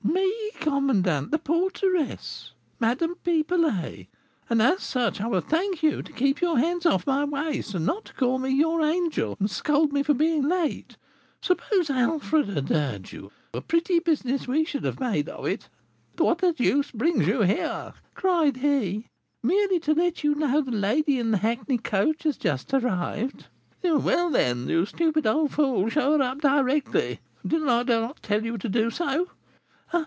'Me, commandant, the porteress, Madame Pipelet; and, as such, I will thank you to keep your hands off my waist, and not to call me your angel, and scold me for being late. Suppose Alfred had heard you, a pretty business we should have made of it!' 'What the deuce brings you here?' cried he. 'Merely to let you know the lady in the hackney coach has just arrived!' 'Well, then, you stupid old fool, show her up directly. Did I not tell you to do so?'